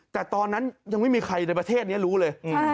แต่ตอนนั้นยังไม่มีใครในประเทศนี้รู้เลย